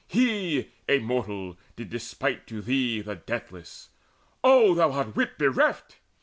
He, a mortal, did despite To thee, the deathless! O, thou art wit bereft!